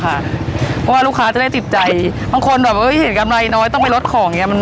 เพราะว่าลูกค้าจะได้ติดใจบางคนแบบเห็นกำไรน้อยต้องไปลดของอย่างนี้